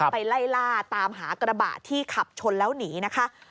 ไปไล่ล่าตามหากระบะที่ขับชนแล้วหนีนะคะ